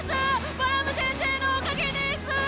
バラム先生のおかげですぅ。